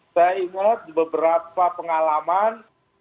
saya ingat beberapa pengalaman